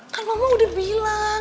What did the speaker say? kan mama udah bilang